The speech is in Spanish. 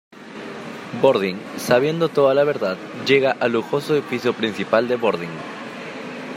Bordin sabiendo toda la verdad, llega al lujoso edificio principal de Bordin.